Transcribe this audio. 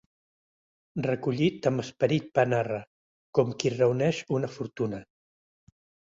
Recollit amb esperit panarra, com qui reuneix una fortuna.